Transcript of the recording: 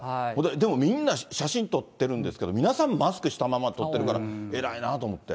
でもみんな写真撮ってるんですけど、皆さんマスクしたまま撮っているから、偉いなと思って。